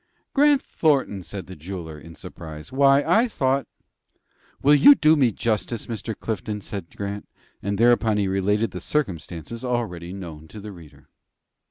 "Grant Thornton," said the jeweler, in surprise. "Why, I thought " "You will do me justice, Mr. Clifton," said Grant, and thereupon he related the circumstances already known to the reader.